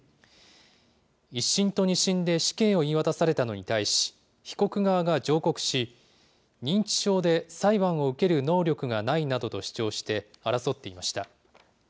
１審と２審で死刑を言い渡されたのに対し、被告側が上告し、認知症で裁判を受ける能力がないなどと主張して、争っていました。